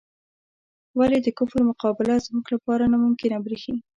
ولې د کفر مقابله زموږ لپاره ناممکنه بریښي؟